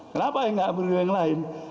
kenapa ya nggak perlu yang lain